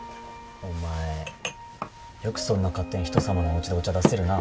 お前よくそんな勝手に人様のおうちでお茶出せるな。